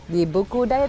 di buku diet kenyang